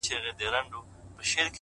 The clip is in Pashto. تا خو د خپل وجود زکات کله هم ونه ايستی.